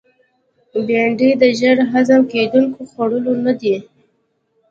بېنډۍ د ژر هضم کېدونکو خوړو نه ده